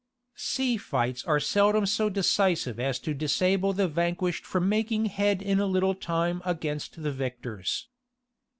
Sea fights are seldom so decisive as to disable the vanquished from making head in a little time against the victors.